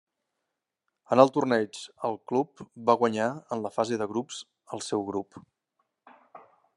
En el torneig el club va guanyar en la fase de grups el seu grup.